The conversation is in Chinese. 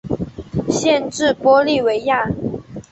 县治玻利维亚。